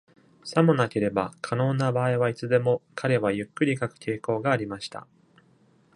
さもなければ、可能な場合はいつでも、彼はゆっくり書く傾向がありました。